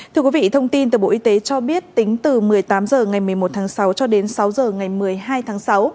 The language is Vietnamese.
thưa quý vị thông tin từ bộ y tế cho biết tính từ một mươi tám h ngày một mươi một tháng sáu cho đến sáu h ngày một mươi hai tháng sáu